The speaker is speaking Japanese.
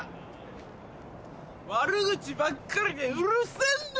悪口ばっかりでうるせぇんだよ！